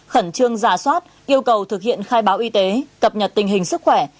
khẩn trương giả soát yêu cầu thực hiện khai báo y tế cập nhật tình hình sức khỏe